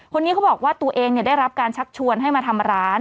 คนนี้เขาบอกว่าตัวเองได้รับการชักชวนให้มาทำร้าน